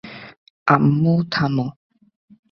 আম্মু, থামো।